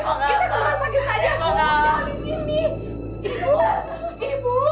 ibu nggak mau